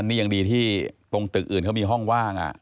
นี่ยังดีที่ตรงตึกอื่นเขามีห้องว่าง